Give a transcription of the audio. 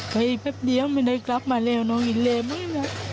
ไปแครบนี้ไม่ได้กลับมาเลยลองเห็นเลย